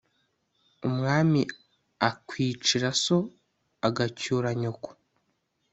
umwami akwicira so agacyura nyoko